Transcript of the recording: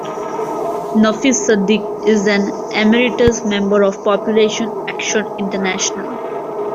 Nafis Sadik is an Emeritus Member of Population Action International.